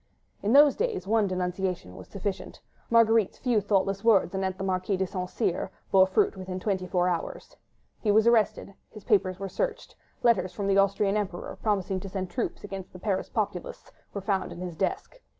In those days one denunciation was sufficient: Marguerite's few thoughtless words anent the Marquis de St. Cyr bore fruit within twenty four hours. He was arrested. His papers were searched: letters from the Austrian Emperor, promising to send troops against the Paris populace, were found in his desk.